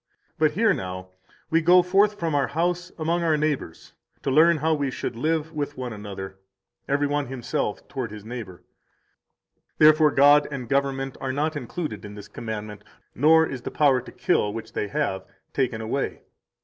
But here now we go forth from our house among our neighbors to learn how we should live with one another, every one himself toward his neighbor. 181 Therefore God and government are not included in this commandment, nor is the power to kill, which they have, taken away.